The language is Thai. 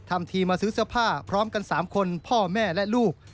ทำทีมาซื้อเสื้อผ้าพร้อมกัน๓คนพ่อแม่และลูก